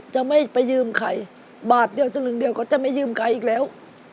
จะไม่ยืมไก่อีกแล้ว